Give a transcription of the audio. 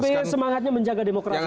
pak s b semangatnya menjaga demokrasi